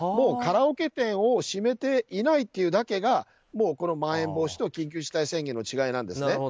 カラオケ店を閉めていないというだけがまん延防止と緊急事態宣言の違いなんです。